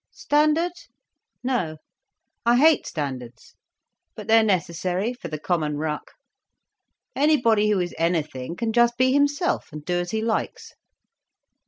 "Standard—no. I hate standards. But they're necessary for the common ruck. Anybody who is anything can just be himself and do as he likes."